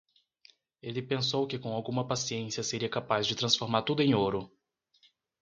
Ele pensou que com alguma paciência seria capaz de transformar tudo em ouro.